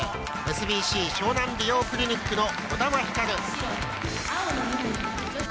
ＳＢＣ湘南美容クリニックの児玉ひかる。